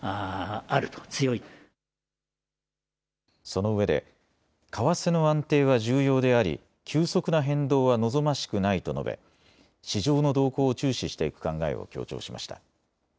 そのうえで為替の安定は重要であり急速な変動は望ましくないと述べ市場の動向を注視していく考えを強調しました。